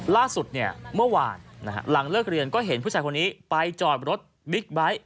ล่าสุดเนี่ยเมื่อวานหลังเลิกเรียนก็เห็นผู้ชายคนนี้ไปจอดรถบิ๊กไบท์